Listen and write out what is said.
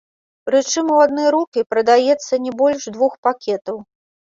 Прычым у адны рукі прадаецца не больш двух пакетаў.